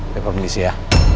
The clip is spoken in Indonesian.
dapet mendi si ya